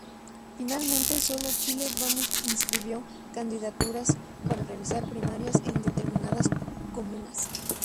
Finalmente, sólo Chile Vamos inscribió candidaturas para realizar primarias en determinadas comunas.